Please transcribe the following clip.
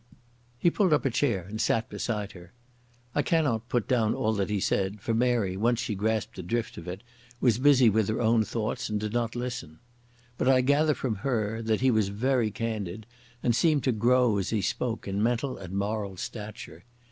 He pulled up a chair and sat beside her. I cannot put down all that he said, for Mary, once she grasped the drift of it, was busy with her own thoughts and did not listen. But I gather from her that he was very candid and seemed to grow as he spoke in mental and moral stature.